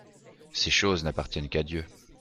Ces choses n’appartiennent qu’à Dieu.